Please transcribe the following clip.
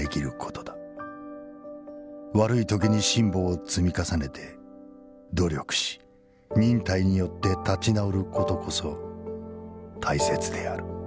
悪い時に辛棒を積み重ねて努力し忍耐によって立直る事こそ大切である」。